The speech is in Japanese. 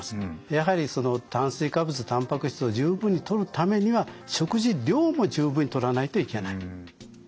やはりその炭水化物たんぱく質を十分にとるためには食事量も十分にとらないといけない。